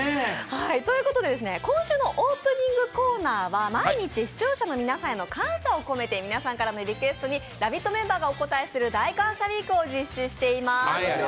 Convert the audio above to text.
今週のオープニングコーナーは毎日、視聴者の皆さんへの感謝をこめて皆さんからのリクエストに「ラヴィット！」メンバーがお応えする大感謝ウィーク！を実施しています